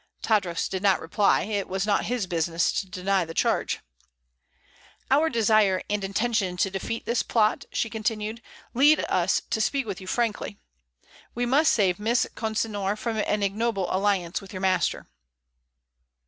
Tadros did not reply. It was not his business to deny the charge. "Our desire and intention to defeat this plot," she continued, "lead us to speak to you frankly. We must save Miss Consinor from an ignoble alliance with your master."